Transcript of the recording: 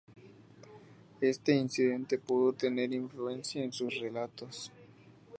Este incidente pudo tener influencia en sus relatos.